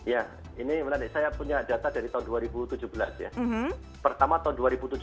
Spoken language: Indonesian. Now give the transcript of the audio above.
ya ini saya punya data dari tahun dua ribu tujuh belas ya